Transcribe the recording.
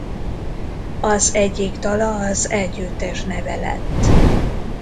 Az egyik dala az együttes neve lett.